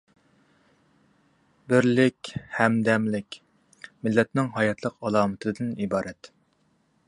بىرلىك، ھەمدەملىك — مىللەتنىڭ ھاياتلىق ئالامىتىدىن ئىبارەت.